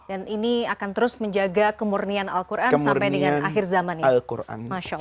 dan ini akan terus menjaga kemurnian al quran sampai dengan akhir zamannya